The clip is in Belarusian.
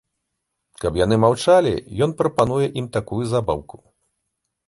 Каб яны маўчалі, ён прапануе ім такую забаўку.